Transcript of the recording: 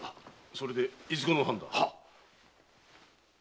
それでいずこの藩だ？はっ！